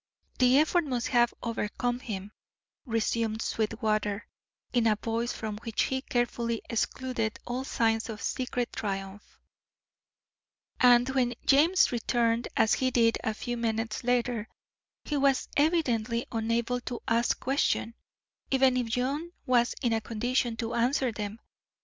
"The effort must have overcome him," resumed Sweetwater in a voice from which he carefully excluded all signs of secret triumph, "and when James returned, as he did a few minutes later, he was evidently unable to ask questions, even if John was in a condition to answer them.